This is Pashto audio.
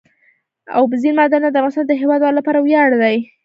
اوبزین معدنونه د افغانستان د هیوادوالو لپاره ویاړ دی.